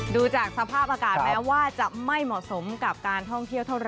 ดูจากสภาพอากาศแม้ว่าจะไม่เหมาะสมกับการท่องเที่ยวเท่าไห